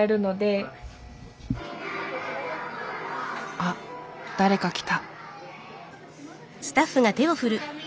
あっ誰か来た。